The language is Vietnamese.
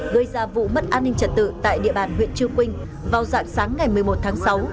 gây ra vụ mất an ninh trật tự tại địa bàn huyện chư quynh vào dạng sáng ngày một mươi một tháng sáu